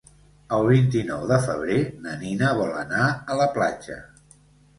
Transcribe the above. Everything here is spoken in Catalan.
El vint-i-nou de febrer na Nina vol anar a la platja.